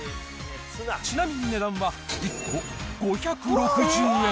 ちなみに値段は１個５６０円。